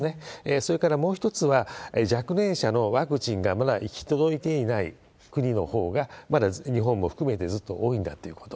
それからもう一つは、若年者のワクチンがまだ行き届いていない国のほうが、まだ、日本も含めてずっと多いんだということ。